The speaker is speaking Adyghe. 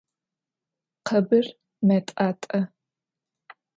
Khebır met'at'e.